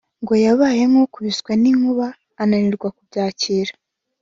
ngo yabaye nk’ukubiswe n’inkuba ananirwa kubyakira